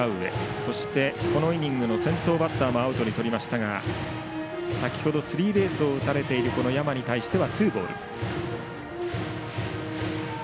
そして、このイニングの先頭バッターもアウトにとりましたが先ほどスリーベースを打たれている山に対しています。